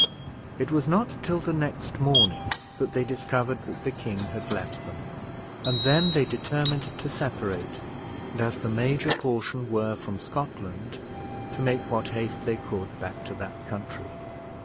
It was not till the next morning that they discovered that the king had left them, and then they determined to separate, and, as the major portion were from Scotland, to make what haste they could back to that country.